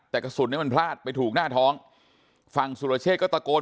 แต่กระสุนเนี่ยมันพลาดไปถูกหน้าท้องฝั่งสุรเชษก็ตะโกน